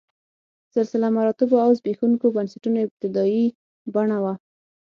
سلسله مراتبو او زبېښونکو بنسټونو ابتدايي بڼه وه.